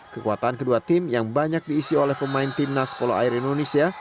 kekuatan kedua tim yang banyak diisi oleh pemain timnas polo air indonesia